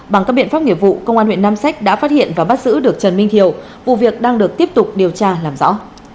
bằng các biện pháp nghiệp vụ công an huyện nam sách đã phát hiện và bắt giữ được trần minh thiều vụ việc đang được tiếp tục điều tra làm rõ